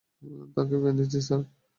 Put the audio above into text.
তাকে বেঁধেছি, স্যার।